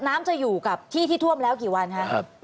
น้ำจะอยู่กับที่ที่ท่วมแล้วกี่วันครับ